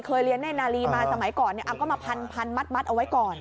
เรียนในนาลีมาสมัยก่อนเอาก็มาพันมัดเอาไว้ก่อน